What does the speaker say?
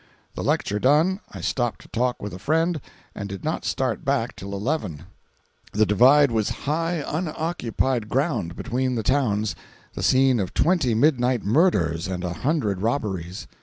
The lecture done, I stopped to talk with a friend, and did not start back till eleven. The "divide" was high, unoccupied ground, between the towns, the scene of twenty midnight murders and a hundred robberies.